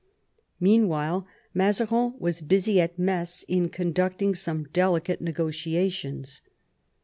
Meanwhile, Mazarin was busy at Metz in conducting some delicate negotiations.